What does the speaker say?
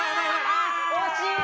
おしい！